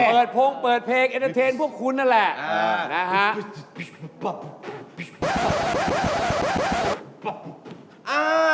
เปิดโพงเปิดเพลงเอ็นเตอร์เทนต์พวกคุณนั่นแหละ